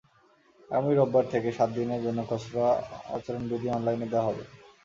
আগামী রোববার থেকে সাত দিনের জন্য খসড়া আচরণবিধি অনলাইনে দেওয়া হবে।